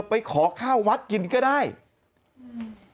ไปขอข้าววัดกินก็ได้อืม